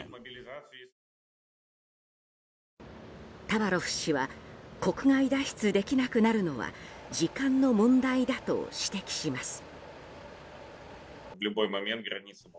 タバロフ氏は国外脱出できなくなるのは時間の問題だと指摘します。